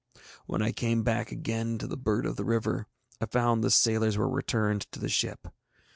When I came back again to the Bird of the River, I found the sailors were returned to the ship.